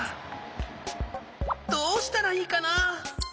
どうしたらいいかな？